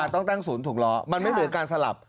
ต้องตั้งศูนย์ถุงล้อมันไม่เหลือการสลับ